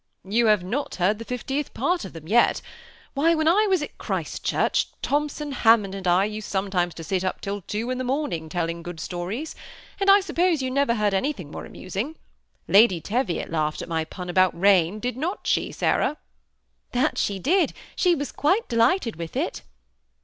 ^ You have not heard the fiftieth part of them yet. Why, when I was at Christchurch, Thompson, Ham« mond, and I used sometimes to sit up till two in the morning, telKng good stmes ; and I suppose you never heard anything .more amusing. Lady Teviot laughed at my pun about rain, did not she, Sarah ?"^ That she did ; she was quite delighted with it."